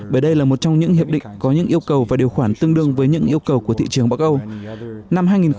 bởi đây là một trong những hiệp định có những yêu cầu và điều khoản tương đương với những yêu cầu của thị trường bắc âu